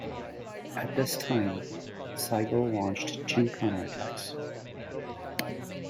At this time, Sigel launched two counterattacks.